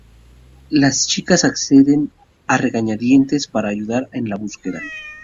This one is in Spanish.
Las chicas acceden a regañadientes para ayudar en la búsqueda.